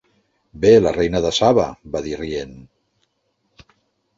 "Bé, la Reina de saba!", va dir, rient.